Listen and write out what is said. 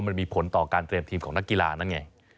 มันมีผลต่อการเตรียมทีมของนักกีฬานั่นไง